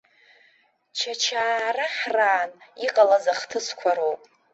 Чачаа раҳраан иҟалаз ахҭысқәа роуп.